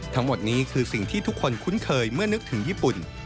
ทั้งหมดนี้คือสิ่งที่ทุกคนคุ้นเคยเมื่อนึกถึงญี่ปุ่น